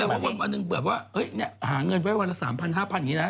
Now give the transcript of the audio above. หรออันนึงแบบว่าหาเงินไว้วันละ๓๐๐๐๕๐๐๐อย่างนี้นะ